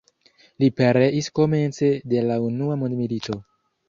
Li pereis komence de la Unua mondmilito.